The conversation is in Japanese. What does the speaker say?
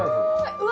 うわ！